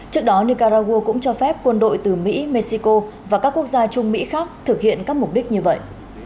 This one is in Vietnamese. trước đó nicaragua cũng cho phép quân đội từ mỹ mexico và các quốc gia trung mỹ khác thực hiện các mục đích như vậy